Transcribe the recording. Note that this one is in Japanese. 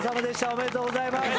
おめでとうございます。